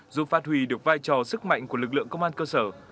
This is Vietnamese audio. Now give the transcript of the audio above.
giúp phát huy được vai trò sức mạnh của lực lượng công an cơ sở